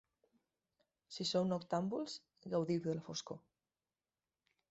Si sou noctàmbuls, gaudiu de la foscor.